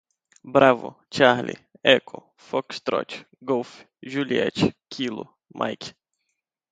bravo, charlie, echo, foxtrot, golf, juliet, kilo, mike